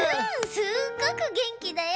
すっごくげんきだよ！